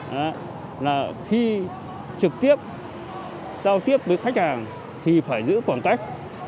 đấy là khi trực tiếp giao tiếp với khách hàng thì phải giữ khoảng cách